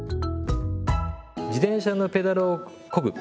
自転車のペダルをこぐ。